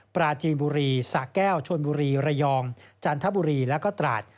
ปราจีนบุรีสะแก้วชนบุรีระยองจันทบุรีแล้วก็ตราด